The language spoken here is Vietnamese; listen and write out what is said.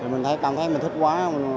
mình cảm thấy mình thích quá